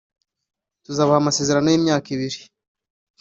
… tuzabaha amasezerano y’imyaka ibiri